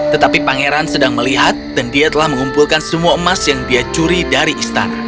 tetapi pangeran sedang melihat dan dia telah mengumpulkan semua emas yang dia curi dari istana